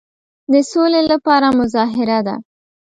د سولي لپاره مظاهره ده.